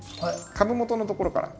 株元のところから。